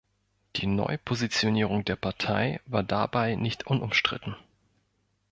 Die Neupositionierung der Partei war dabei nicht unumstritten.